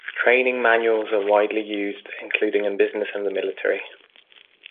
Training manuals are widely used, including in business and the military.